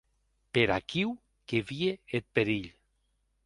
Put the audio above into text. Per aquiu que vie eth perilh.